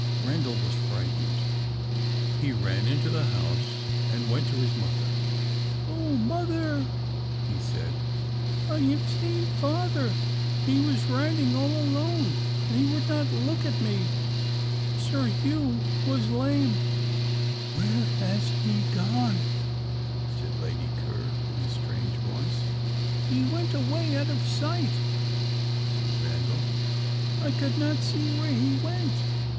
Randal was frightened. He ran into the house, and went to his mother. "Oh, mother," he said, "I have seen father! He was riding all alone, and he would not look at me. Sir Hugh was lame!" "Where has he gone?" said Lady Ker, in a strange voice. "He went away out of sight," said Randal. "I could not see where he went."